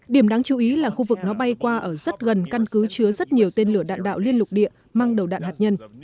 điểm đáng chú ý là khu vực nó bay qua ở rất gần căn cứ chứa rất nhiều tên lửa đạn đạo liên lục địa mang đầu đạn hạt nhân